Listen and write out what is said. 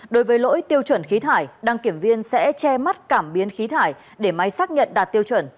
đối với lỗi tiêu chuẩn khí thải đăng kiểm viên sẽ che mắt cảm biến khí thải để máy xác nhận đạt tiêu chuẩn